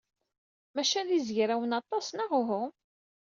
Maca d izegrawen aṭas, neɣ uhu?